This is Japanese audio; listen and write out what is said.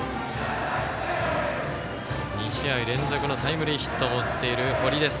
２試合連続のタイムリーヒットも打っている堀です。